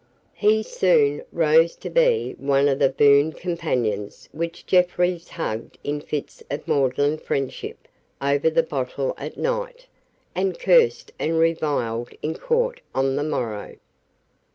He soon rose to be one of the boon companions whom Jeffreys hugged in fits of maudlin friendship over the bottle at night, and cursed and reviled in court on the morrow.